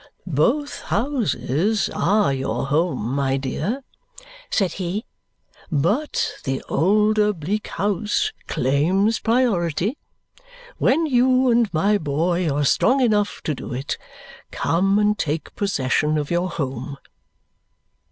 "Both houses are your home, my dear," said he, "but the older Bleak House claims priority. When you and my boy are strong enough to do it, come and take possession of your home."